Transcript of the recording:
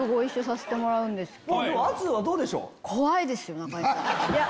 圧はどうでしょう？